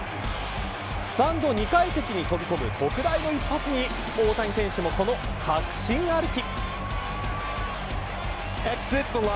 スタンド２階席に飛び込む特大の一発に大谷選手も、この確信歩き。